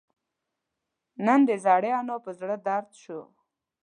نن د زړې انا پر زړه دړد شو